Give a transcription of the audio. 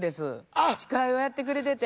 司会をやってくれてて。